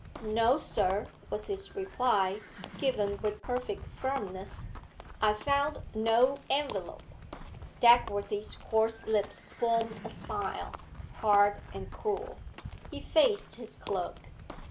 'No, sir,' was his reply, given with perfect firmness, 'I found no envelope.' Dagworthy's coarse lips formed a smile, hard and cruel. He faced his clerk.